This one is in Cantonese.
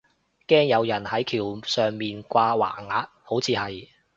驚有人係橋上面掛橫額，好似係